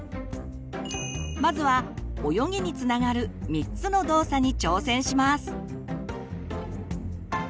まずは泳ぎにつながる３つの動作に挑戦します。